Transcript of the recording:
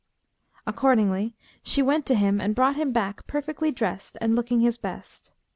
Accordingly she went to him and brought him back perfectly dressed and looking his best.